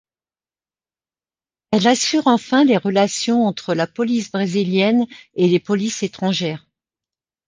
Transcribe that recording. Elle assure enfin les relations entre la police brésilienne et les polices étrangères.